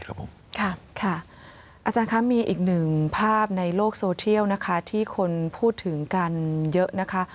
อาจารย์คะมีอีกหนึ่งภาพในโลกโซเทียลนะคะที่คนพูดถึงกันเยอะนะคะ